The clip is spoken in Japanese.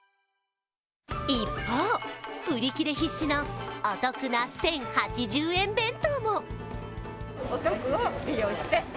一方、売り切れ必至のお得な１０８０円弁当も。